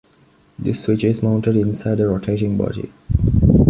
This switch is mounted inside a rotating body.